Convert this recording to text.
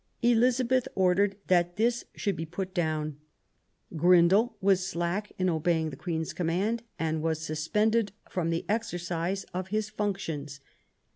Elizabeth ordered that this should be put down. Grindal was slack in obeying the Queen's command, and was suspended from the exercise of his functions.